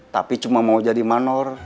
tapi cuma mau jadi manor